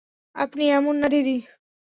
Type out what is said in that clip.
আপনি এমন না, দিদি!